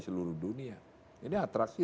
seluruh dunia ini atraksi